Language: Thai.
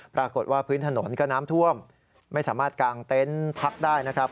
ปรากฏว่าพื้นถนนก็น้ำท่วมไม่สามารถกางเต็นต์พักได้นะครับ